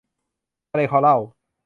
ทะเลคอรัล